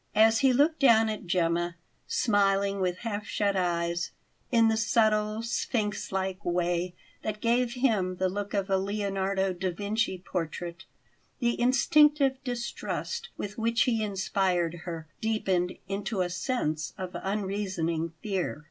As he looked down at Gemma, smiling with half shut eyes, in the subtle, sphinx like way that gave him the look of a Leonardo da Vinci portrait, the instinctive distrust with which he inspired her deepened into a sense of unreasoning fear.